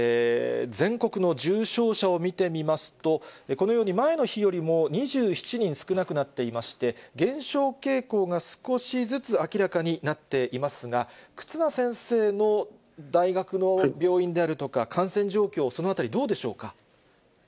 全国の重症者を見てみますと、このように、前の日よりも２７人少なくなっていまして、減少傾向が少しずつ明らかになっていますが、忽那先生の大学の病院であるとか、感染状況、そのあたりどうでしょうか。